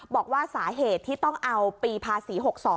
บอกว่าสาเหตุที่ต้องเอาปีภาษี๖๒